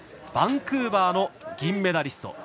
バンクーバーの銀メダリスト。